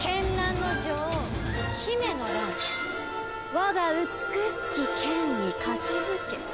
我が美しき剣にかしずけ。